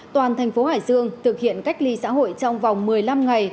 toàn thành phố hải dương thực hiện cách ly xã hội trong vòng một mươi năm ngày